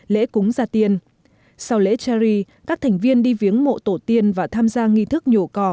lễ cúng gia tiên sau lễ chari các thành viên đi viếng mộ tổ tiên và tham gia nghi thức nhổ cỏ